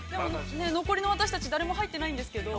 ◆残りの私たち誰も入ってないんですけど。